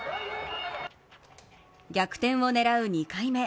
逆転を狙う２回目。